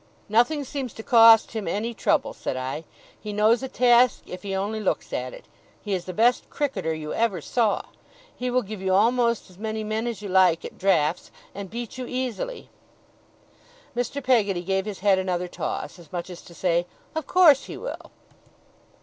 'Nothing seems to cost him any trouble,' said I. 'He knows a task if he only looks at it. He is the best cricketer you ever saw. He will give you almost as many men as you like at draughts, and beat you easily.' Mr. Peggotty gave his head another toss, as much as to say: 'Of course he will.